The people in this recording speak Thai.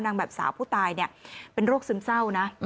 แบบสาวผู้ตายเนี่ยเป็นโรคซึมเศร้านะ